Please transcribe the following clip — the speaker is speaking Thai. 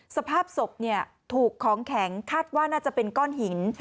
สภาพศพถูกของแข็งคาดว่าน่าจะเป็นก้อนหิน